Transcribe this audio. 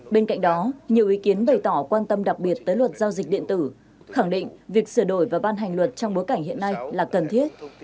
bên cạnh đó nhiều ý kiến bày tỏ quan tâm đặc biệt tới luật giao dịch điện tử khẳng định việc sửa đổi và ban hành luật trong bối cảnh hiện nay là cần thiết